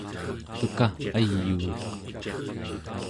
eka ayuuq